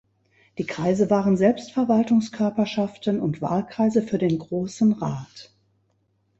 Die Kreise waren Selbstverwaltungskörperschaften und Wahlkreise für den Grossen Rat.